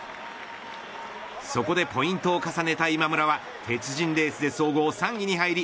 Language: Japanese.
そこでポイントを重ねた今村は鉄人レースで総合３位に入り